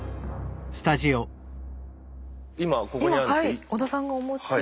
今ここにあるんですけど。